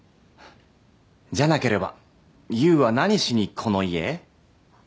じゃなければユーは何しにこの家へ？